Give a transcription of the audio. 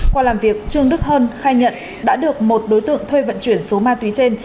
qua làm việc trương đức hơn khai nhận đã được một đối tượng thuê vận chuyển số ma túy trên